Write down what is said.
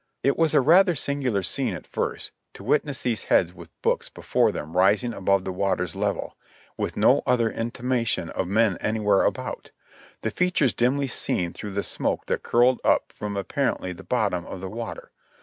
It was a rather singular scene at first, to witness these heads with books before them rising above the water's level, with no other intimation of men anywhere about ; the features dimly seen through the smoke that curled up from apparently the bottom of the water.